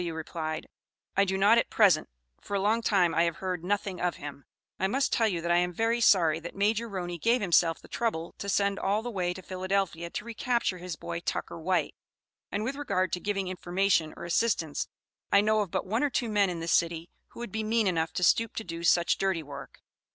W. replied: "I do not at present; for a long time I have heard nothing of him. I must tell you that I am very sorry that Major Roney gave himself the trouble to send all the way to Philadelphia to re capture his 'boy Tucker White,' and with regard to giving information or assistance, I know of but one or two men in this city who would be mean enough to stoop to do such dirty work.